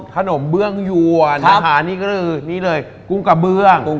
ขนมเบื้องหยวนกุ้งกระเบื้อง